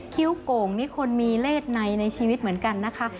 ้วโก่งนี่คนมีเลขในในชีวิตเหมือนกันนะคะ